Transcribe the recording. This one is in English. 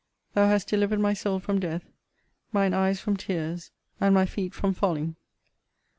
Thou hast delivered my soul from death; mine eyes from tears; and my feet from falling.